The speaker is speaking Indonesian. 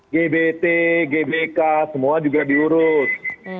gbt gbk semua juga diurus